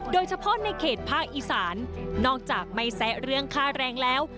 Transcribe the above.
โดยเฉพาะในเขตภาคอีสานนอกจากไม่แซะเรื่องค่าแรงแล้ว